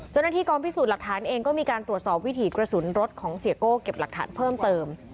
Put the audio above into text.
เจ้าหน้าที่กองพิสูจน์หลักฐานเองก็มีการตรวจสอบวิถีกระสุนรถของเสียโก้เก็บหลักฐานเพิ่มเติม